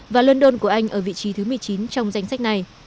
và london của anh ở vị trí thứ một mươi chín trong danh sách này